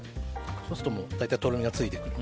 そうすると大体とろみがついてくる。